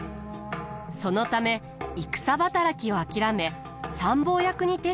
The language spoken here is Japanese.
そのため戦働きを諦め参謀役に徹したのかもしれません。